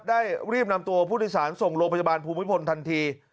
ได้รีบนำตัวผู้ที่สารส่งโลปชาบานภูมิพลทันที